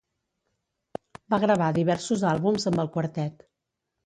Va gravar diversos àlbums amb el quartet.